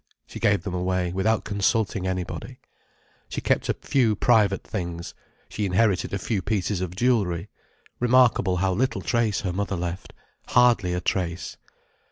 She gave them away, without consulting anybody. She kept a few private things, she inherited a few pieces of jewellery. Remarkable how little trace her mother left—hardly a trace.